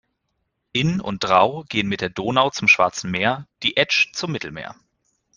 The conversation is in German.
Inn und Drau gehen mit der Donau zum Schwarzen Meer, die Etsch zum Mittelmeer.